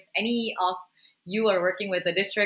jadi jika kamu bekerja dengan distrik